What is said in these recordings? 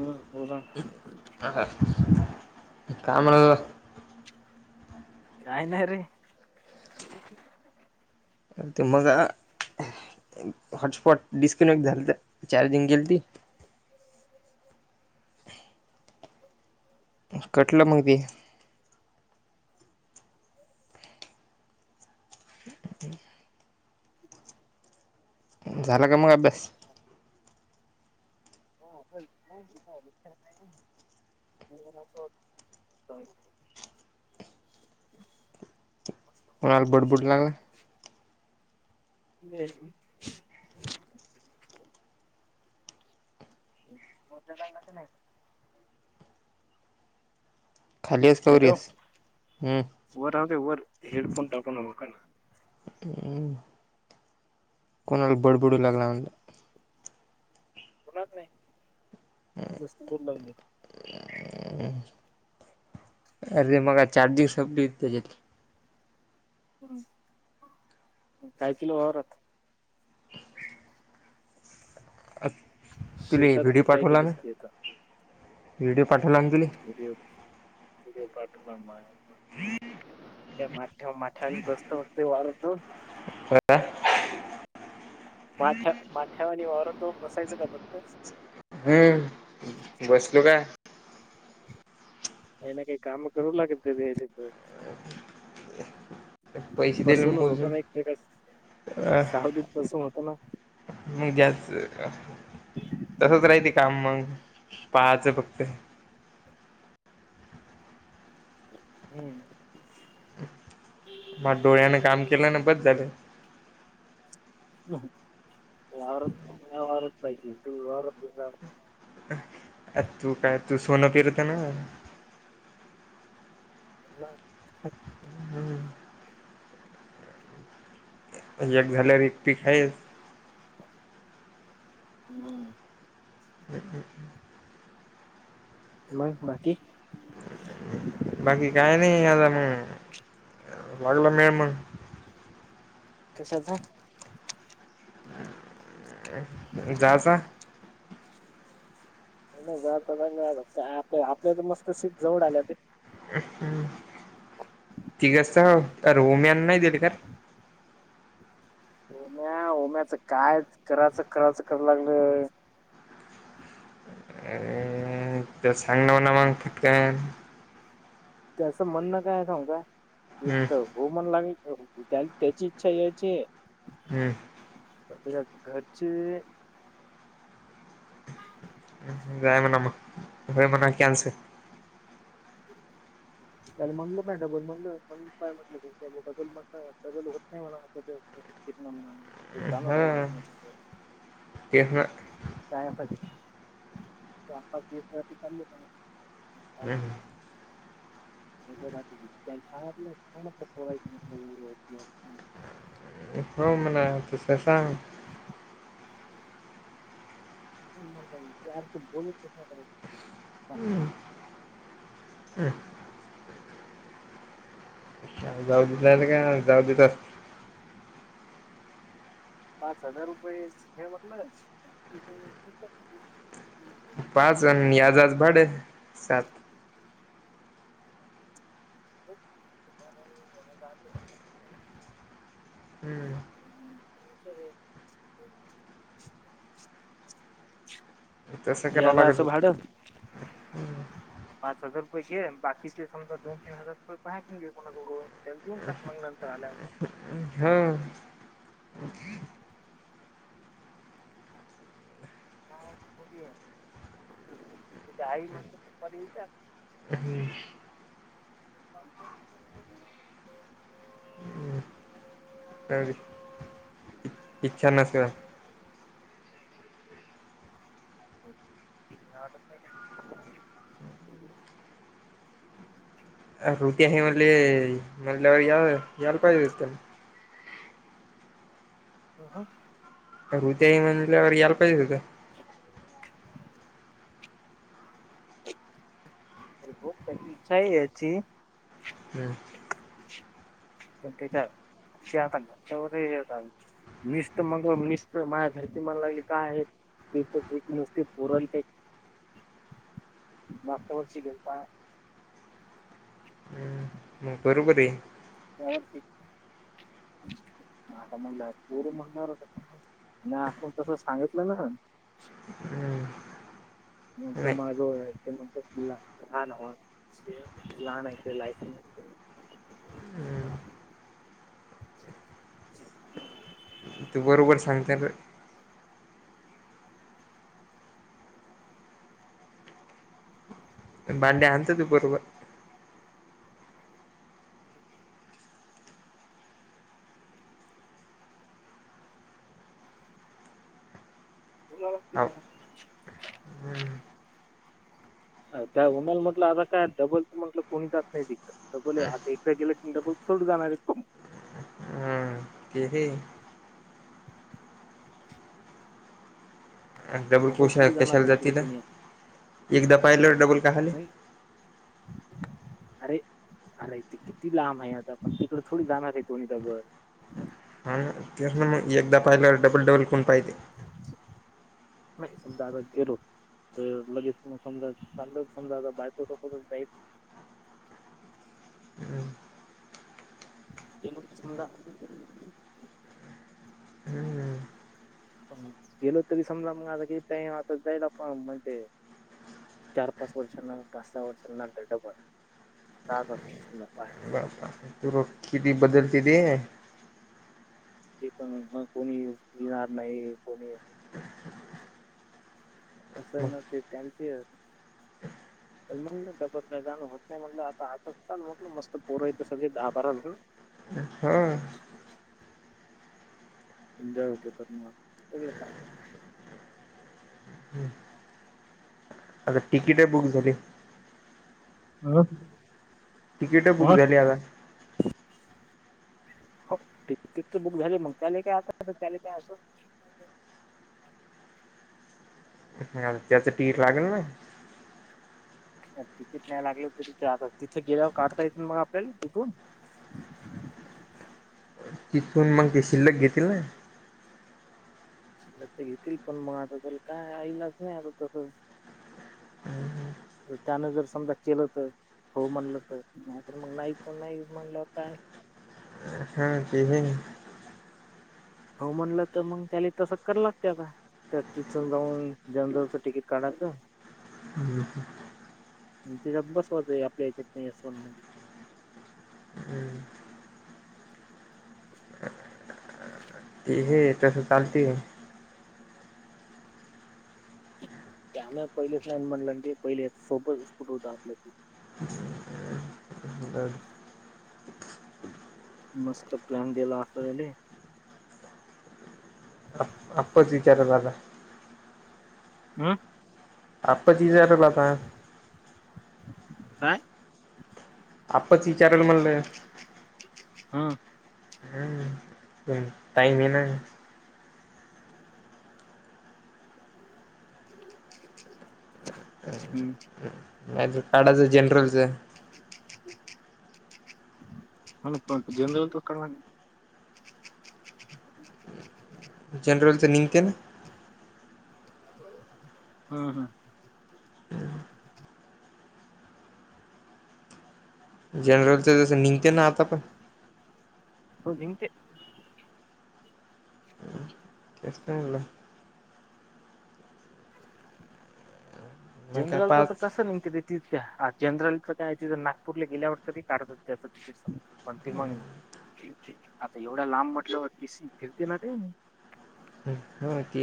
हो बोला. ह का काय म्हणलेत बघा. काही नाही रे. ते मगं हॉटस्पॉट डिस्कनेक्ट झालतं चार्जिंग गेलती. कटलं मग बी. [inaudible] झाला काे मग अभ्यास [unintelligible] [unintelligible] कोणाला बड बुड लागला [unintelligible] [unintelligible] खाली आहेस का वर हॅलो आहेस? वर राहूदे वर हेड फोन टाकू नको. हम्म. कोणाला बड बुड लागला कुणाला नाही नुसती बोल ला अरे मग चार्जिंग सपली त्याच्यात काय किलो वावरात तु शेतात व्हिडिओ काय पाठवला म केलंस ते आता व्हिडीओ पाठवला म तुला व्हिडिओ व्हिडिओ पाठला मला हम्म का माठा माठा बस्त वते वाढत हं माठ्या माठ्या आणि वावर तो बसायचं का फक्त हम्म बसलो का? काहीना काही काम करवू लागे ते पैसे दिले बसून न होत मोजून ना एक प्रकार अ, सावध बसून होत ना मग जाच तसंच राहिते काम मग पाहाचं फक्त हम्म मग डोळ्याने काम हम्म केलंने बास झालं वारात नाही वारात पाहिती त वारात तू काय तू सोनं फिरत ना नाही एक झाल्यावर एक पीक आहे हम ह ह मग बाकी? बाकी काय नाही आता मग लागला मेळ मग कशाचा? जाचा ज आप आपल्या तर मस्त सीट जवळ आल्या ते हम्म ती गसत हो रोम्यान नाही देल कार उम्या उम्याचं काय कराचं करायचं कराय लागलं हम ते सांग ना म्ह ना मग पटकन त्यासं म्हणणं काय आहे सांगू का एक हम्म च हो मन लागेल त्याची इच्छा यायची. हम्म त्याच्या घरचे जाय म्हणा मग हो म्हणा कॅन्सल त्याला म्हणलं नाही डबल मणलं मण काय म्हटलं डबलण डबल होत नाही मला ते किना म्ह त जा नाही उ ये ना चयाप य चहा वती चाल हो ह ह झ बाात शालं मतलं खोवाय. हो मणा तसं सांग नाही म लाी त बोलतो का हम्म जाऊ देत नाही का जाऊ देत पाच हजार रुपये घे म्हटलं पाच आणि आज आज भाडे सात हम्म [inaudible] यादा असं भाड हम [inaudible] पाच हजार रुपये घे बाकीचे समजा दोन तीन हजार रुपये पाहाय घे कोणा त्याला देऊन टाक. मग नंतर आल्यावर. हां का घरी आहे. त आई मास तेपर तर ह् [inaudible] [inaudible] काय बी इच्छा नसल का [unintelligible] हे म्हणल्यावर यायला पाहिजे होतं त्यान. ह ह हे तर म्हणल्यावर यायला पाहिजे का? होता. सही अची हम्म चार खशी आक नाे निस्त मग निस्त माझ्या धरती म्हला लागली काय आहे ते तर ते नुसते पुोरण मागत्या वर्ष बे हम्म मग बरोबर आहे हो आता म्हणलं गोरू म्हणालात का नाही आपण तस सांगितलं ना हम्म म्हटलं नाही माझं ते म्हणि ह ना लहान अस लायसेन हम् [inaudible] त बरोबर सांगते भांडे आणत त बरोबर [inaudible] हो [unintelligible] त्या माल म्हटलं आता काय डबल म्हटलं कोणीच नाही तीथ. तर बोले आता एकदा गेल्यावर डबल थोडच जाणार एक कि हे अ डबल कोशा थोडी जाणार कशाला आहे तिकडे जातील ना कोणी एकदा पाहिलं डबल का आले होई अरे अरे ते किती लांब आहे आता पण तिकड थोडी डबल येतोणी त्या बर हा ना मग एकदा पाहिल्यावर डबल डबल कोण पाहिजे नाही समजा घेरू तर लगेच समजा समजा समजा आता बायको चा [unintelligible] जलू सुमंदा हम्म गेलो तरी समजला मग आता क आता जायला पण म्हणजे चार पाच वर्षांना पाच सहा वर्षांना डबल सहा पाच वर्षांना पा आहे बापा तू किती बदलते ते ते पण मग कोणी येणार नाही कोणी मग असन ते कॅलसियर म्हबत नाही जाण होत नाही म्हणलं आता आता चाल म्हटलं मस्त पोर येत सज आकार हम एन्जॉय होत क सगळ फायन आता तिकीट आहे बुक झाली हो तिकीट बुक झाली आता [inaudible] हो तिकीट तर बुक झाली मग त्याला काय आता त्या काय अस त्याचं तीठ लागेल ना तिकीट न्यायला लागलं तरीिथ आता तिथे गेल्यावर काढता येेत मग आपल्याला तिथून [inaudible] तिथून मग ते शिल्लक घेतील ना ते घेतील पण मग आता त्या काय आईलचं नाही आता तस त्यान जर समजा केलं तर हो म्हणलं तर नाही तर मग नाही नाही म्हणलं होताय ह ते हो म्हणलं तर मग त्याला तसं क लागते आता त्या चिून जाऊन जनरलचं तिकीट काढायचं ह तिच्या बस होतय आपल्याच्यात नाहीोन हम्म ते हे तसं चालते त्यामुळे पहिलेच नाही म्हटलं आणि क पहिले सोबच स्कुट होत आपल्या बर मस्त प्लॅन द दिला आफली आपपच विचार झाला हं आपप तिलाता काय आपच विचारायला म्हणलंय ह टईम ये ना हम्म नाही काडाच जनरलचं [inaudible] जेनरल ते निघते ना हम हम जनरलच जस निघते ना आता पण हो नि ते तेसलं मग काय जिमल तर पाच कस निेमते तिथ हा जनरलच काय तिथ नागपूरला गेल्यावर तरी काढतात त्याच पण ते मग आता एवढा लांब म्हटलंवर किसी फिरते ना ते ह ते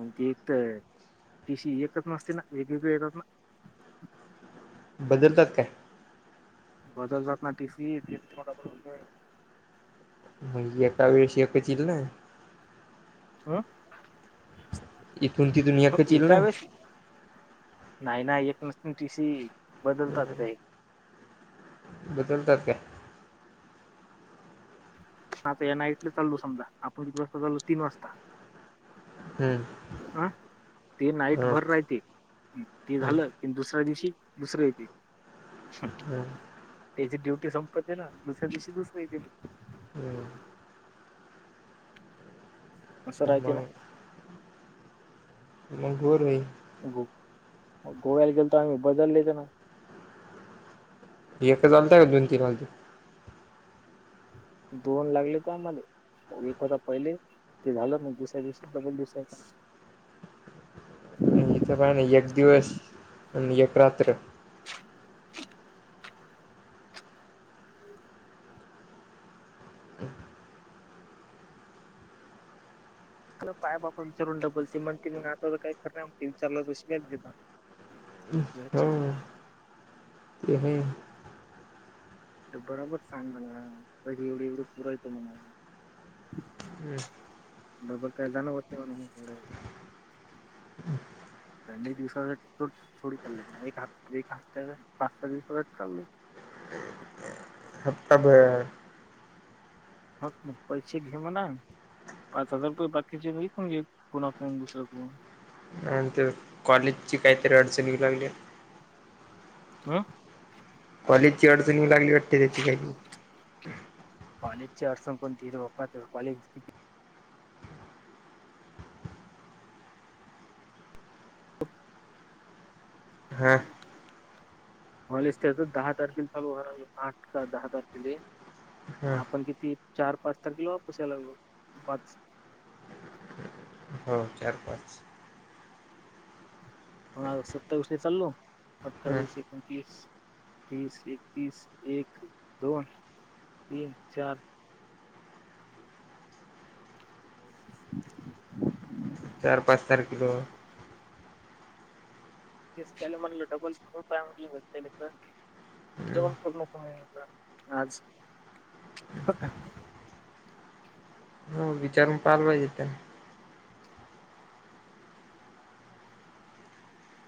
मग तेी एक तर तिशी एकच नसते ना वेगवेगळे येतात ना बदल तक आहे बजाात ना टीफी मग एका वेळे श एक येई ना हम इथून तिथून हो एकच येईल ना येेतवेस. नाही ना एक नस टी सी बदलतात एक बदलतात का? आता या नाईट चालो समजा आपण इथती वाजता चालो तीन वाजता हम्म. ह ते नाईट हम्म भर राहते ते हम्म झालं. दुसऱ्या दिवशी दुसरे येते. हम्. त्याची ड्युटी संपते ना दुसऱ्या दिवशी दुसरे दि ह. स यतीवा मग मंगूर म ग गोव्याला गेल तर आम्ही बदलले ते ना एक चालंय का दोन तीन वाज दोन लागले तर आम्हाला एक होता पहिले ते झालं ना दुसऱ्या दुसऱ्याबल दुसऱ्या आणि इथं पाहि नाही एक दिवस आणि एक रात्र ख पाय बापा विचारून डबल म्हणते म आता तर काही खरती विचारला तरच देत. ् हम. इ. अरे बरोबर सांग बला कधी एवढे एवढं पुर येतो मला. डबल कायल होतेव नाडे द दिवसाो छोडी कर ह् एक हप््या पाच सहा दिवसाच कर नाही. अब म मग पैसे घेऊ ना. पाच हजार रुपये बाकीचे नाहीणजे पुणा फोन दुसर को नंतर कॉलेजची काहीतरी अडचणीऊ लागली. हं. कॉलेजची अडचणी लागली वाटते त्याची काही कॉलेज ची अडण कोणतीे्पा कॉलेज किती? हा. होलस् य दहा तारखिल ल आठ दहा तारखिली हा आपण किती चार पाच तारखेला वापसायला लागलो वाच. हो चार, पाच म सत्तावीस ते चालो हा अठ्ठावीस एकोणतीवीस. तीस एकतीस एक दोन तीन चार [unintelligible] चार पाच तारखेल. येस त्याला म्हणाला डबल म्हणून काय म्हटलं त्या तर जवन खूर्ण कम आहेला आज हो विचारून पालवाहिजे त्यांनी